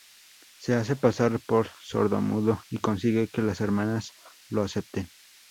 Se hace pasar por sordomudo y consigue que las hermanas lo acepten.